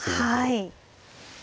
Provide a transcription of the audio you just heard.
はい。